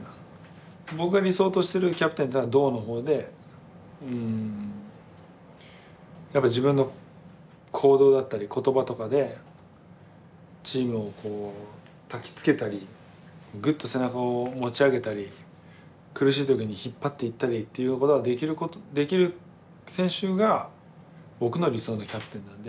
僕が理想としてるキャプテンというのは「動」の方でやっぱ自分の行動だったり言葉とかでチームをこうたきつけたりぐっと背中を持ち上げたり苦しい時に引っ張っていったりっていうことができる選手が僕の理想のキャプテンなんで。